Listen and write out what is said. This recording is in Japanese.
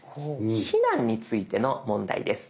避難についての問題です。